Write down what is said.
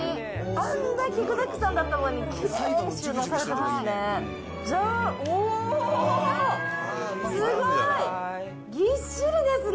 あんだけ具だくさんだったのに、きれいに収納されてますね。